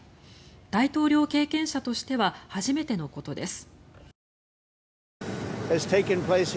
大統領経験者としては初めてのことです。